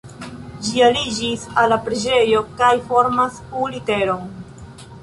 Ĝi aliĝas al la preĝejo kaj formas U-literon.